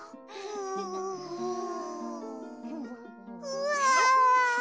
うわ！